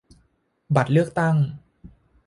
บัตรเลือกตั้ง